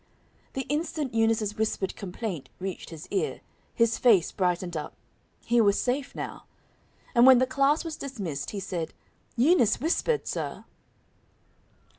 The instant Eunice's whispered complaint reached his ear, his face brightened up; he was safe now. And when the class was dismissed, he said, "Eunice whispered, sir."